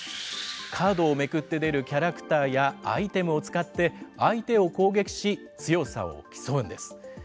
カードをめくって出るキャラクターやアイテムを使って相手を攻撃し、強さを競うんです。